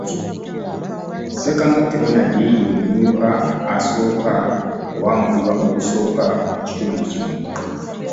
ssekamatte Ronald, ye mumyuka asooka owa Mutuba ogusooka mu kitundu kino.